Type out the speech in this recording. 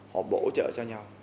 họ bổ trợ cho nhau